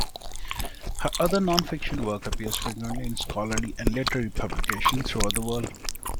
Her other nonfiction work appears frequently in scholarly and literary publications throughout the world.